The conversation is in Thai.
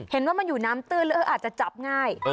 เห็นว่ามันอยู่น้ำตื้นแล้วอาจจะจับง่าย